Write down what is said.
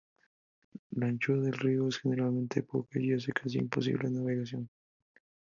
La anchura del río es generalmente poca y hace casi imposible la navegación.